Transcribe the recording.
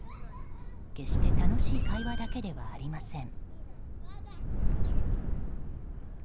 決して楽しい会話だけではありません。